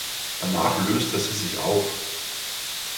Danach löste sie sich auf.